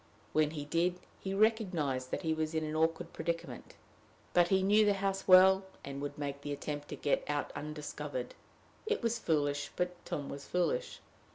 When he did, he recognized that he was in an awkward predicament. But he knew the house well, and would make the attempt to get out undiscovered. It was foolish, but Tom was foolish.